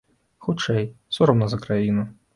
Хутчэй, сорамна за краіну.